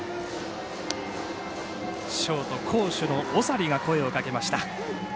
ショート、好守の長利が声をかけました。